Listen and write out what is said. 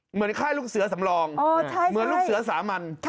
เหมือนค่ายลูกเสือสำรองอย่างลูกเสือสามัญ